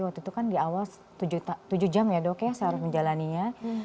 waktu itu kan di awal tujuh jam ya dok ya saya harus menjalaninya